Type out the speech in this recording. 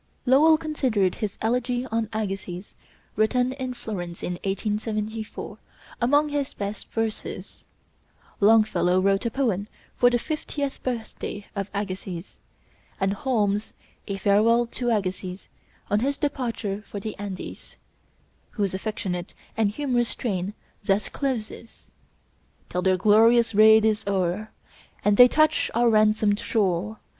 Lowell considered his 'Elegy on Agassiz,' written in Florence in 1874, among his best verses; Longfellow wrote a poem for 'The Fiftieth Birthday of Agassiz,' and Holmes 'A Farewell to Agassiz' on his departure for the Andes, whose affectionate and humorous strain thus closes: "Till their glorious raid is o'er, And they touch our ransomed shore!